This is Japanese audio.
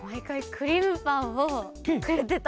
クリームパンをくれてた。